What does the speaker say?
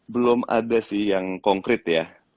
belum ada sih yang konkret ya